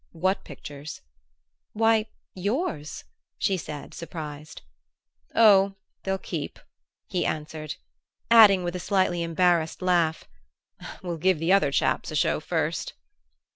"What pictures?" "Why yours," she said, surprised. "Oh, they'll keep," he answered; adding with a slightly embarrassed laugh, "We'll give the other chaps a show first."